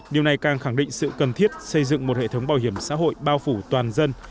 điều này càng khẳng định sự cần thiết xây dựng một hệ thống bảo hiểm xã hội bao phủ toàn dân